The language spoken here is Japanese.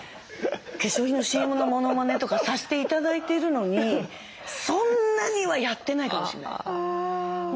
化粧品のＣＭのものまねとかさせて頂いてるのにそんなにはやってないかもしれないです。